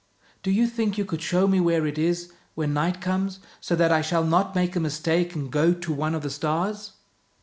Do you think you could show me where it is, when night comes, so that I shall not make a mistake and go to one of the stars?